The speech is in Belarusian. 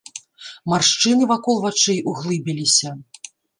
Маршчыны вакол вачэй углыбіліся.